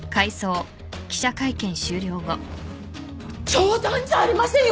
冗談じゃありませんよ！